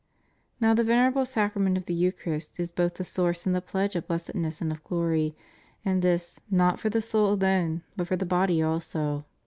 Now the venerable Sacra ment of the Eucharist is both the source and the pledge of blessedness and of glory, and this, not for the soul alone, but for the body also.